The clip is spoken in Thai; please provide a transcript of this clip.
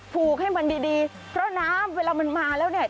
ผูกให้มันดีดีเพราะน้ำเวลามันมาแล้วเนี่ย